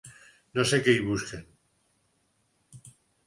No sé què hi busquen